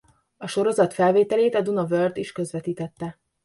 A sorozat felvételét a Duna World is közvetítette.